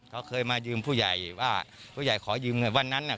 เขาเคยมายืมผู้ใหญ่ว่าผู้ใหญ่ขอยืมเงินวันนั้นน่ะ